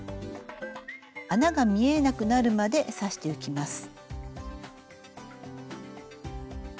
穴が見えなくなるまで刺していきます。